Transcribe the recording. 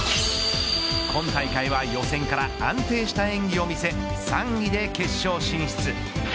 今大会は予選から安定した演技を見せ３位で決勝進出。